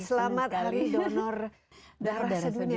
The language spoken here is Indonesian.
selamat hari donor darah sedunia